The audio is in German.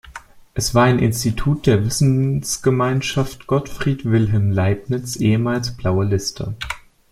Es war ein Institut der Wissenschaftsgemeinschaft Gottfried Wilhelm Leibniz, ehemals „Blaue Liste“.